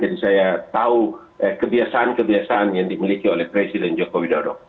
jadi saya tahu kebiasaan kebiasaan yang dimiliki oleh presiden joko widodo